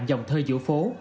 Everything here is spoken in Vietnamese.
dòng thơ giữa phố